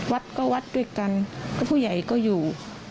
วัดก็วัดด้วยกันผู้ใหญ่ก็อยู่